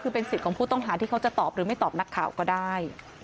คือเป็นสิทธิ์ของผู้ต้องหาที่เขาจะตอบหรือไม่ตอบนักข่าวก็ได้